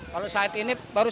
kalau saat ini baru satu dua